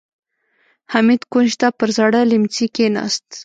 حميد کونج ته پر زاړه ليمڅي کېناست.